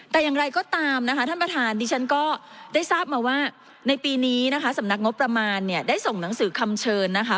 แต่อย่างไรก็ตามนะคะท่านประธานดิฉันก็ได้ทราบมาว่าในปีนี้นะคะสำนักงบประมาณเนี่ยได้ส่งหนังสือคำเชิญนะคะ